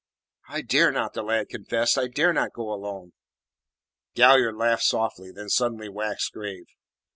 "I dare not," the lad confessed. "I dare not go alone." Galliard laughed softly; then suddenly waxed grave.